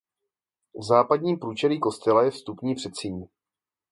V západním průčelí kostela je vstupní předsíň.